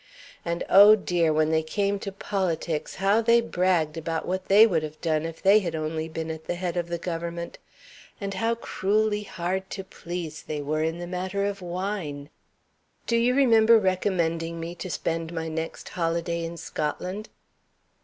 And, oh, dear, when they came to politics, how they bragged about what they would have done if they had only been at the head of the Government; and how cruelly hard to please they were in the matter of wine! Do you remember recommending me to spend my next holiday in Scotland?"